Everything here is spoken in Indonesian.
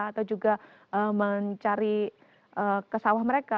atau juga mencari kesawah mereka